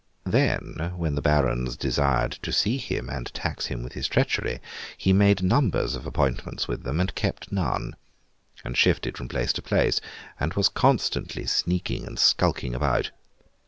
Then, when the Barons desired to see him and tax him with his treachery, he made numbers of appointments with them, and kept none, and shifted from place to place, and was constantly sneaking and skulking about.